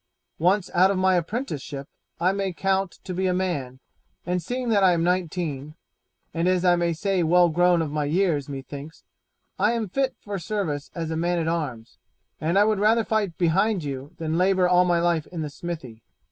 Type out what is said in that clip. Once out of my apprenticeship I may count to be a man, and seeing that I am nineteen, and as I may say well grown of my years, methinks I am fit for service as a man at arms, and I would rather fight behind you than labour all my life in the smithy."